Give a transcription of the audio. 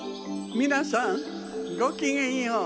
みなさんごきげんよう。